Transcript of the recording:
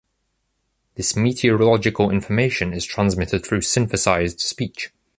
The meteorological information is transmitted through synthesized speech.